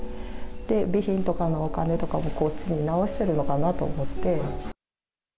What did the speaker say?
備品とかのお金とかをこっちになおしてるのかなと思って。